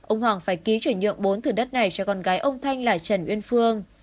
ông hoàng phải ký chuyển nhượng bốn thử đất này cho con gái ông thanh là trần uyên phương